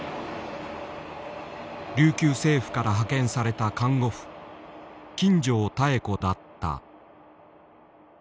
琉球政府から派遣された看護婦金城妙子だった。